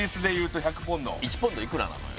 １ポンドいくらなのよ？